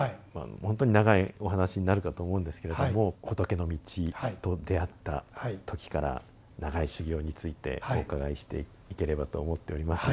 ほんとに長いお話になるかと思うんですけれども仏の道と出会った時から長い修行についてお伺いしていければと思っております。